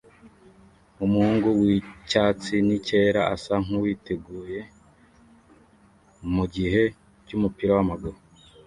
Umuhungu wicyatsi nicyera asa nkuwiteguye mugihe cyumupira wamaguru